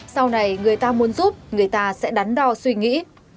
sau này người ta muốn giúp người ta sẽ đắn đo suy nghĩ